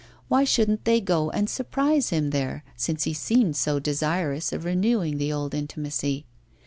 Why shouldn't they go and surprise him there, since he seemed so desirous of renewing the old intimacy?